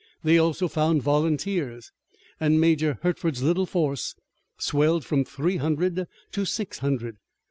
They also found volunteers, and Major Hertford's little force swelled from three hundred to six hundred.